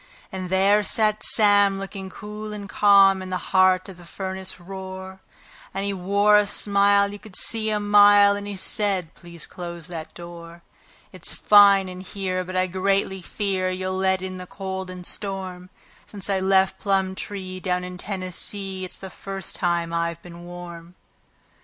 And there sat Sam, looking cool and calm, in the heart of the furnace roar; And he wore a smile you could see a mile, and he said: "Please close that door. It's fine in here, but I greatly fear you'll let in the cold and storm Since I left Plumtree, down in Tennessee, it's the first time I've been warm."